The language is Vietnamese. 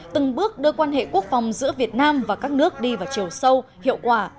từng bước đưa quan hệ quốc phòng giữa việt nam và các nước đi vào chiều sâu hiệu quả